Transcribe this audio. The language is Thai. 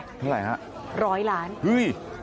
เท่าไรหรือเยี่ยมร้อยหลานเฮ้ย